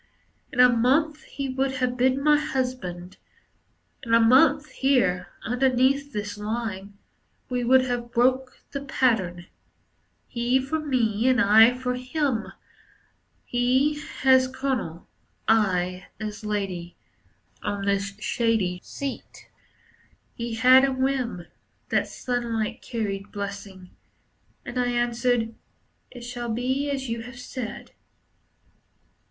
In a month he would have been my husband. In a month, here, underneath this lime, We would have broke the pattern; He for me, and I for him, He as Colonel, I as Lady, On this shady seat. He had a whim That sunlight carried blessing. And I answered, "It shall be as you have said."